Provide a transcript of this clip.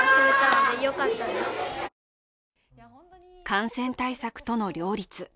感染対策との両立。